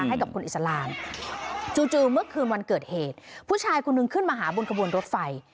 ให้กับคนอิสลามจู่เมื่อคืนวันเกิดเหตุผู้ชายคนนึงขึ้นมาหาบนกระบวนรถไฟ